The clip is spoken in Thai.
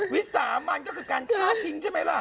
วิสามันก็คือการฆ่าทิ้งใช่ไหมล่ะ